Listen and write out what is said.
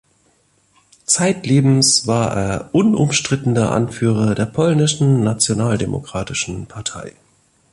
Zeitlebens war er unumstrittener Anführer der polnischen Nationaldemokratischen Partei.